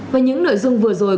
và những nội dung vừa rồi